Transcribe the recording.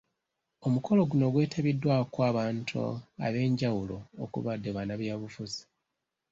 Omukolo guno gwetabiddwako abantu abenjawulo okubadde bannabyabufuzi.